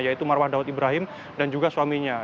yaitu marwah daud ibrahim dan juga suaminya